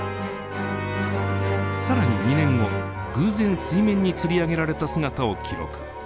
更に２年後偶然水面に釣り上げられた姿を記録。